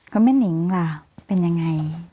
ก็แม่นิงล่ะเป็นยังไง